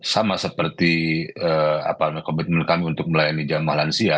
sama seperti komitmen kami untuk melayani jamaah lansia